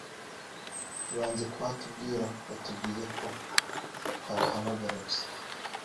banze kuhatubwira batubwiye ko twabahamagara gusa